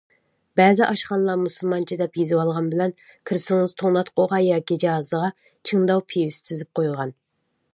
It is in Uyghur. بەزى ئاشخانىلار مۇسۇلمانچە دەپ يېزىۋالغان بىلەن كىرسىڭىز توڭلاتقۇغا ياكى جاھازىغا چىڭداۋ پىۋىسى تىزىپ قويۇلغان.